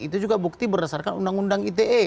itu juga bukti berdasarkan undang undang ite